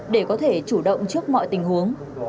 để có thể chủ động trước mọi tình huống